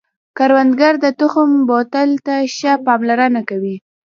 کروندګر د تخم بوتل ته ښه پاملرنه کوي